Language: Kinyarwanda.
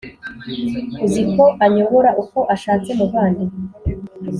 uziko anyobora uko ashatse muvandi